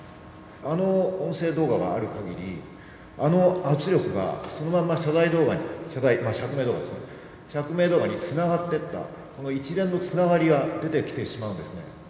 あの音声動画があるかぎり、あの圧力が、そのまま謝罪動画に、釈明動画に、釈明動画につながっていった、この一連のつながりが出てきてしまうんですね。